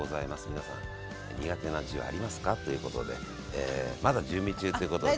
皆さん苦手な字はありますか？ということでまだ準備中ということで。